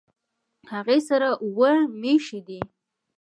هغې سره اووه مېښې دي